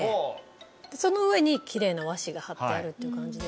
その上にキレイな和紙が張ってあるっていう感じで。